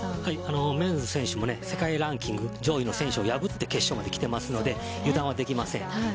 メンズ選手も世界ランキング上位の選手を破って決勝まできているので油断はできません。